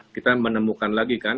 kita menemukan lagi kan